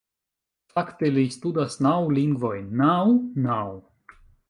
Fakte, li studas naŭ lingvojn naŭ? naŭ